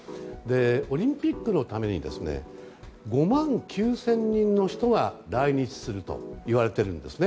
オリンピックのために５万９０００人の人が来日するといわれているんですね。